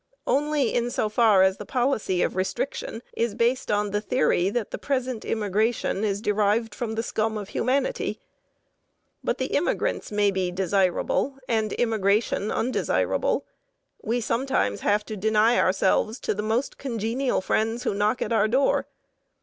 Only in so far as the policy of restriction is based on the theory that the present immigration is derived from the scum of humanity. But the immigrants may be desirable and immigration undesirable. We sometimes have to deny ourselves to the most congenial friends who knock at our door.